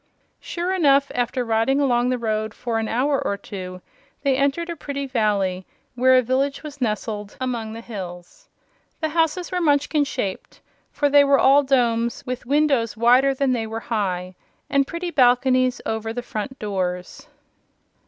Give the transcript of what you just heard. Sure enough, after riding along the road for an hour or two they entered a pretty valley where a village was nestled among the hills. The houses were Munchkin shaped, for they were all domes, with windows wider than they were high, and pretty balconies over the front doors.